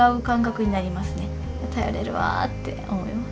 頼れるわって思います。